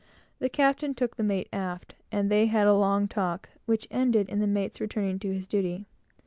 The captain took the mate aft; and they had a long talk, which ended in the mate's returning to his duty.